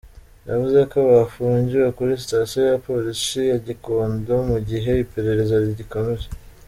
Yavuze ko bafungiwe kuri sitasiyo ya Polisi ya Gikondo mu gihe iperereza rikomeje.